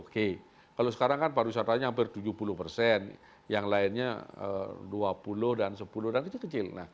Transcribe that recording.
kalau sekarang kan pariwisatanya hampir tujuh puluh persen yang lainnya dua puluh dan sepuluh dan itu kecil